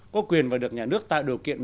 có quyền và được nhà nước tạo điều kiện